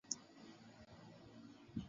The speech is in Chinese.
道斯普伦加斯不再被提及。